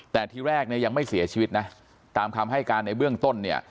แต่ที่แรกเนี่ยยังไม่เสียชีวิตนะตามคำให้การในเบื้องต้นเนี่ย